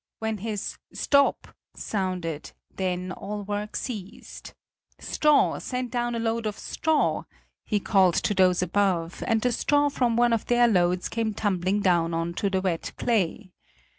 When his "Stop" sounded, then all work ceased. "Straw!" Send down a load of straw! he called to those above, and the straw from one of their loads came tumbling down on to the wet clay.